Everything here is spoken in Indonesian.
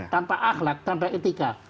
tanpa akhlak tanpa etika